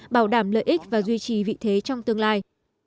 bảo đảm lợi ích và duy trì vị thế trong tương lai